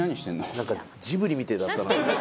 なんかジブリみてえだったな。